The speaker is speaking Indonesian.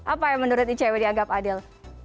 apa yang menurut icw dianggap adil